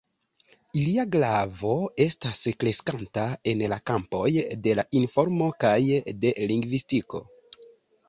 Ilia gravo estas kreskanta en la kampoj de la informo kaj de lingvistiko.